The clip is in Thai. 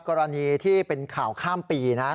กรณีที่เป็นข่าวข้ามปีนะ